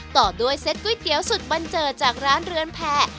ต่อด้วยเซ็ตก๋วยเตี๋ยวสุดบันเจิดจากร้านเรือนแผ่